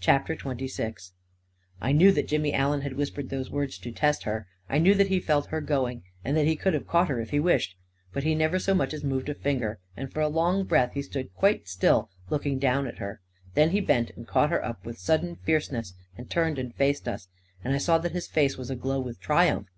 CHAPTER XXVI I knew that Jimmy Allen had whispered those words to test her ; I knew that he felt her going, and that he could have caught her if he wished; but he never so much as moved a finger, and for a long breath, he stood quite still, looking down at her. Then he bent and caught her up with sudden fierce ness, and turned and faced us, and I saw that his face was a glow with triumph.